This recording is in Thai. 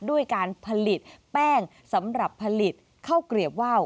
ด้วยการผลิตแป้งสำหรับผลิตข้าวเกลียบว่าว